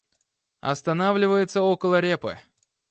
Останавливается около репы.